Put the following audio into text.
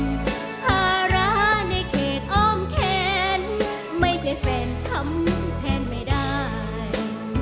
ภาระในเขตอ้อมแขนไม่ใช่แฟนทำแทนไม่ได้